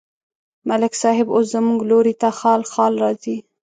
ملک صاحب اوس زموږ لوري ته خال خال راځي.